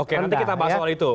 oke nanti kita bahas soal itu